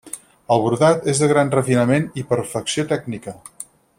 El brodat és de gran refinament i perfecció tècnica.